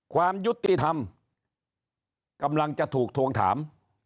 ความยุติธรรมกำลังจะถูกทวงถาม